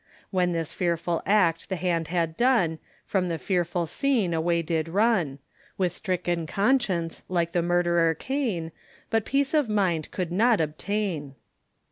When this fearful act the hand had done, From the fearful scene away did run; With stricken conscience, like the murderer Cain, But peace of mind could not obtain.